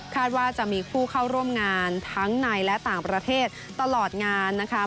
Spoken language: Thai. ว่าจะมีผู้เข้าร่วมงานทั้งในและต่างประเทศตลอดงานนะคะ